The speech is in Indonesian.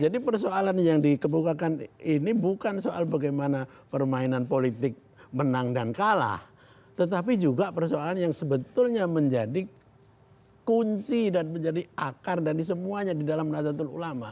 jadi persoalan yang dikebukakan ini bukan soal bagaimana permainan politik menang dan kalah tetapi juga persoalan yang sebetulnya menjadi kunci dan menjadi akar dari semuanya di dalam nazatul ulama